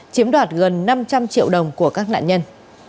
chiếm đoạt gần năm trăm linh triệu đồng của các nạn nhân